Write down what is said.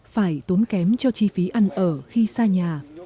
phải tốn kém cho chi phí ăn ở khi xa nhà